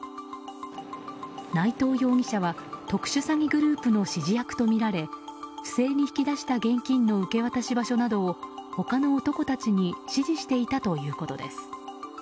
内藤容疑者は特殊詐欺グループの指示役とみられ不正に引き出した現金の受け渡し場所などを他の男たちに指示していたということです。